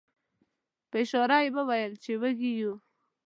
په اشاره یې وویل چې وږي یو.